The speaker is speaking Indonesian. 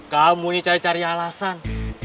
kamu nih cari cari alasan